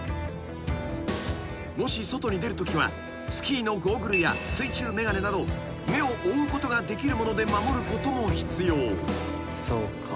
［もし外に出るときはスキーのゴーグルや水中眼鏡など目を覆うことができるもので守ることも必要］